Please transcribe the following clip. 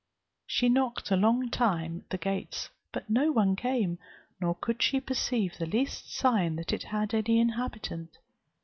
She knocked a long time at the gates; but no one came, nor could she perceive the least sign that it had any inhabitant.